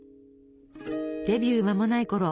デビュー間もないころ